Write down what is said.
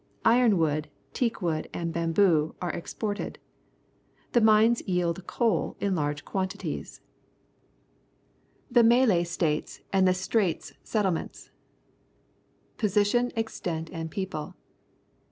Ironwood, teakwood, and bamboo are ex ported. The mines yield coal in large quantities. THE EAST INDIES 223 THE INIALAY STATES AND THE STRAITS SETTLEMENTS Position, Extent, and People.